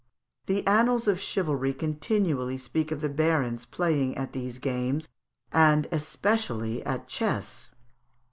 The annals of chivalry continually speak of the barons playing at these games, and especially at chess.